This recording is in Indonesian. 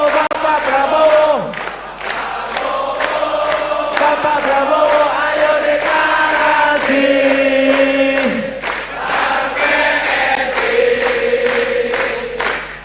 bapak prabowo bapak prabowo ayo dikarasi taruh keseh